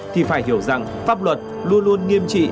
thì phải hiểu rằng pháp luật luôn luôn nghiêm trị